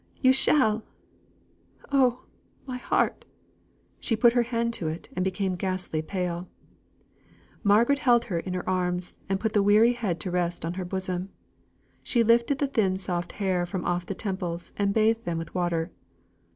you shall! Oh! my heart!" She put her hand to it, and became ghastly pale. Margaret held her in her arms, and put the weary head to rest upon her bosom. She lifted the thin soft hair from off the temples, and bathed them with water.